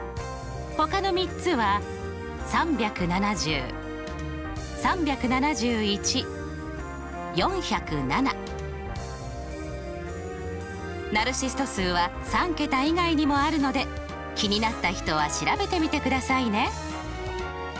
ほかの３つはナルシスト数は３桁以外にもあるので気になった人は調べてみてくださいね。